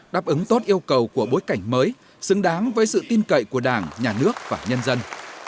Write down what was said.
đáp ứng tốt yêu cầu của bối cảnh mới xứng đáng với sự tin cậy của đảng nhà nước và nhân dân